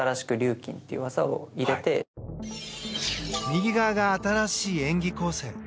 右側が新しい演技構成。